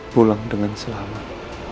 pulang dengan selamat